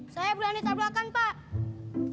saya berani tabrakan pak